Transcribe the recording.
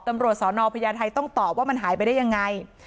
ตำรวจสอนอพญาไทยต้องตอบว่ามันหายไปได้ยังไง